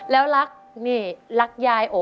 แล้วรักนี่รักยายโอ๋